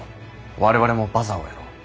我々もバザーをやろう。